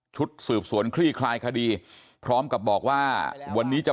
ชุดสืบสวนคลี่คลายคดีพร้อมกับบอกว่าวันนี้จะ